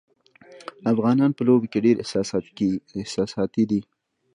افغانان په لوبو کې ډېر احساساتي دي.